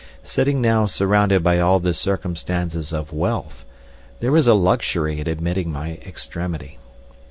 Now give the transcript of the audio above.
Sitting now surrounded by all the circumstances of wealth, there is a luxury in admitting my extremity.